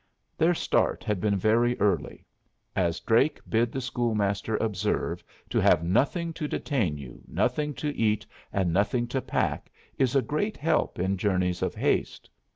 Their start had been very early; as Drake bid the school master observe, to have nothing to detain you, nothing to eat and nothing to pack, is a great help in journeys of haste.